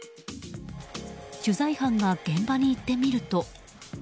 取材班が現場に行ってみると。